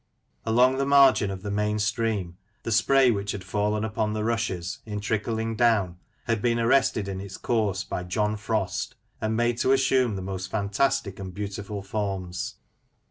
Along the margin of the main stream, the spray which had fallen upon the rushes, in trickling down, had been arrested in its course by " John Frost," and made to assume the most fantastic and beautiful forms.